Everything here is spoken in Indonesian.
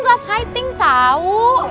gak fighting tau